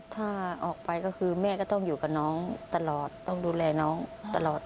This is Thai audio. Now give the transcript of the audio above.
ถ้าออกไปก็คือแม่ก็ต้องอยู่กับน้องตลอดต้องดูแลน้องตลอด